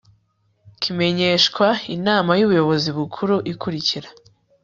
kimenyeshwa inama y ubuyobozi bukuru ikurikira